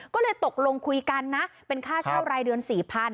ก็เลยตกลงคุยกันนะเป็นค่าเช่ารายเดือน๔๐๐